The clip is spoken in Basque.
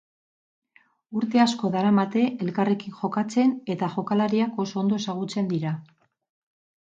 Urte asko daramate elkarrekin jokatzen eta jokalariak oso ondo ezagutzen dira.